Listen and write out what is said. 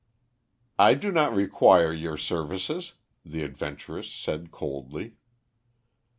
"I do not require your services," the adventuress said coldly.